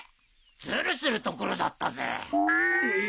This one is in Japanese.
ずるするところだったぜ。